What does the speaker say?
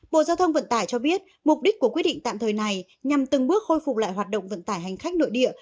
bộ giao thông vận tải cho biết mục đích của quyết định tạm thời này nhằm từng bước khôi phục lại hoạt động vận tải hành khách nội địa